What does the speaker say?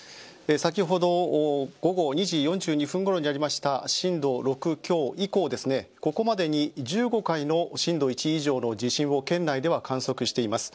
先ほど午後２時４２分ごろにありました震度６強以降、ここまでに１５回の震度１以上の地震を県内では観測しています。